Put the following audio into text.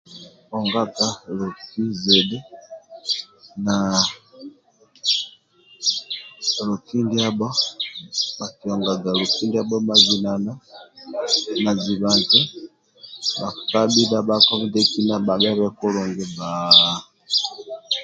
Onganga loki zidhi na loki ndiabho bhakionganga loki ndiabho mazinana na ziba nti kakabhi na bhakpa ndibhekina bhabhebe kulungi bba